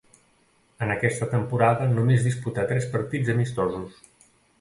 En aquesta temporada només disputà tres partits amistosos.